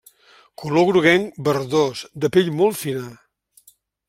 Color groguenc verdós de pell molt fina.